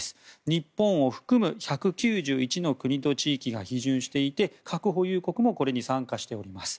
日本を含む１９１の国と地域が批准していて核保有国もこれに参加しております。